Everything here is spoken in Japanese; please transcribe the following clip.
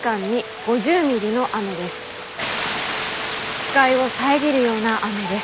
視界を遮るような雨です。